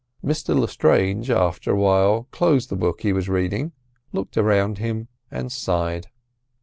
Mr Lestrange after a while closed the book he was reading, looked around him and sighed.